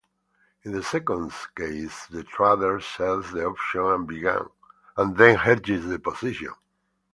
In the second case, the trader sells the option and then hedges the position.